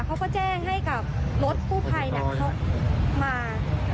เขาก็แจ้งให้กับรถผู้ไพรน่ะเขามาแล้วก็นายกเขาก็มาดู